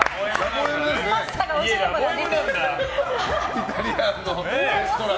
イタリアンのレストランね。